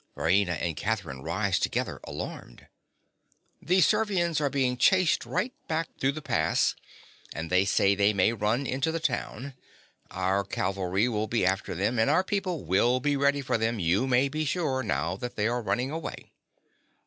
(Raina and Catherine rise together, alarmed.) The Servians are being chased right back through the pass; and they say they may run into the town. Our cavalry will be after them; and our people will be ready for them you may be sure, now that they are running away.